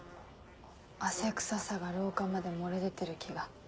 汗臭さが廊下まで漏れ出てる気が。